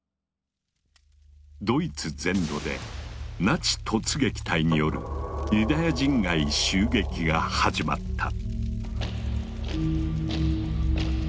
ドイツ全土でナチ突撃隊によるユダヤ人街襲撃が始まった。